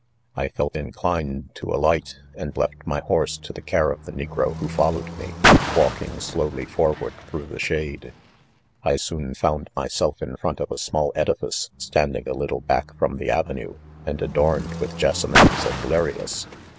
I felt inclined to alight ; and left my h orse to the care of the ne^ro who followed me walk ing slowly forward through the shade, I soon found myself in front of a small edifice standing a little back from the avenue,, and adorned with jessamines and lyrias.